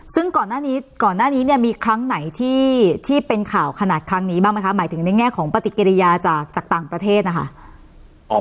ซึ่งก่อนหน้านี้มีครั้งไหนที่เป็นข่าวขนาดครั้งนี้บ้างไหมครับหมายถึงในแง่ของปฏิกิริยาจากต่างประเทศนะครับ